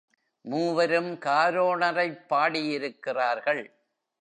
மூவரும் காரோணரைப் பாடியிருக் கிறார்கள்.